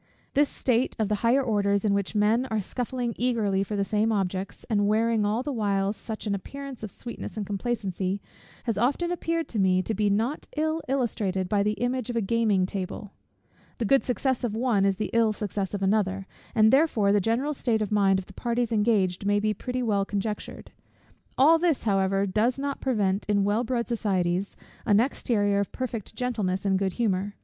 This state of the higher orders, in which men are scuffling eagerly for the same objects, and wearing all the while such an appearance of sweetness and complacency, has often appeared to me to be not ill illustrated by the image of a gaming table. There, every man is intent only on his own profit; the good success of one is the ill success of another, and therefore the general state of mind of the parties engaged may be pretty well conjectured. All this, however, does not prevent, in well bred societies, an exterior of perfect gentleness and good humour.